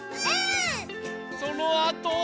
そのあとは。